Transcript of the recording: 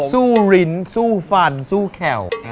ซู่ลิ้นซู่ฟันซู่แข่ว